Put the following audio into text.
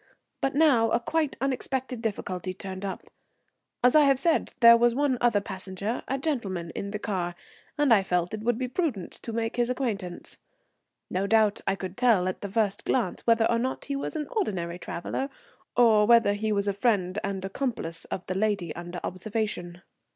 But now a quite unexpected difficulty turned up. As I have said, there was one other passenger, a gentleman, in the car, and I felt it would be prudent to make his acquaintance. No doubt I could tell at the first glance whether or not he was an ordinary traveller, or whether he was a friend and accomplice of the lady under observation.